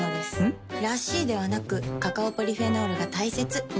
ん？らしいではなくカカオポリフェノールが大切なんです。